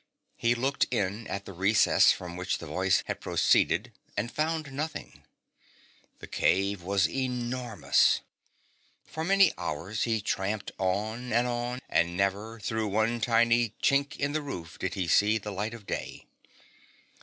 He looked in at the recess from which the voice had proceeded and found nothing. The cave was enormous. For many hours he tramped on and on, and never through one tiny chink in the roof did he see the light of day.